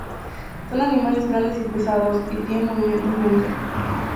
Son animales grandes y pesados, y tienen movimientos lentos.